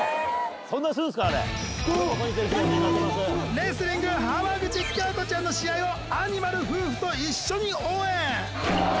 レスリング浜口京子ちゃんの試合をアニマル夫婦と一緒に応援。